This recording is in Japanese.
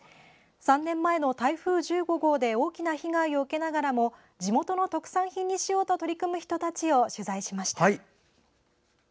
３年前の台風１５号で大きな被害を受けながらも地元の特産品にしようと取り組む人たちを取材しました。